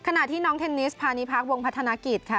ขณะที่น้องเทนนิสพาณิพักวงพัฒนากิจค่ะ